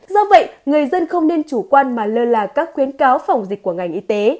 do vậy người dân không nên chủ quan mà lơ là các khuyến cáo phòng dịch của ngành y tế